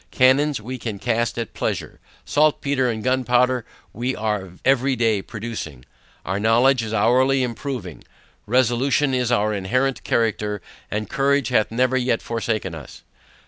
Cannons we can cast at pleasure. Saltpetre and gunpowder we are every day producing. Our knowledge is hourly improving. Resolution is our inherent character, and courage hath never yet forsaken us.